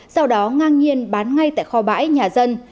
sau đó ngang nhiên bán ngay tại kho bãi nhà dân